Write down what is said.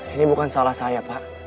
ini bukan salah saya pak